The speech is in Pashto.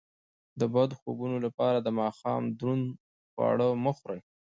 د بد خوبونو لپاره د ماښام دروند خواړه مه خورئ